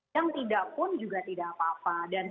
yang tidak pun juga tidak apa apa